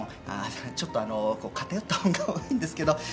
ちょっと偏った本が多いんですけど。